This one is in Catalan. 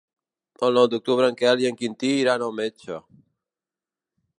El nou d'octubre en Quel i en Quintí iran al metge.